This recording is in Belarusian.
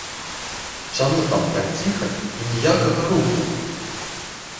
Чаму там так ціха і ніякага руху?